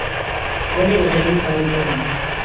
گەلێک غەریبی پاریس دەکەم.